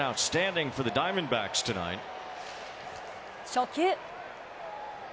初球。